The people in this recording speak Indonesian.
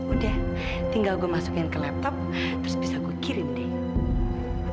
udah tinggal gue masukin ke laptop terus bisa gue kirim deh